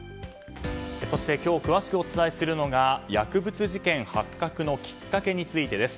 そして、今日詳しくお伝えするのが薬物事件発覚のきっかけについてです。